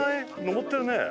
上ってるね。